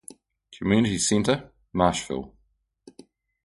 Community centre: Marshville.